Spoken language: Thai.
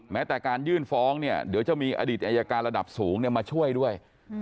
แม้แต่การยื่นฟ้องเนี่ยเดี๋ยวจะมีอดีตอายการระดับสูงมาช่วยด้วย